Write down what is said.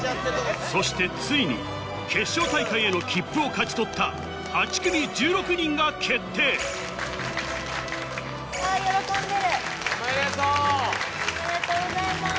そしてついに決勝大会への切符を勝ち取った８組１６人が決定喜んでる。